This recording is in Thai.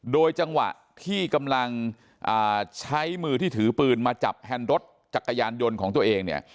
โดยจังหวะที่กำลังใช้มือที่ถือปืนมาจับแฮนด์รถจักรยานยนต์ของตัวเองเนี่ย